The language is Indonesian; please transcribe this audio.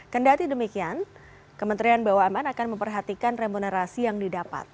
kendali demikian kementerian bumn akan memperhatikan remunerasi yang didapat